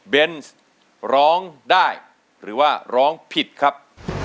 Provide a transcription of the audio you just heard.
เบนส์ร้องได้หรือว่าร้องผิดครับ